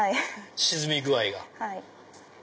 沈み具合が。